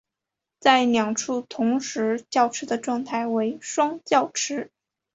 在两处同时叫吃的状态为双叫吃。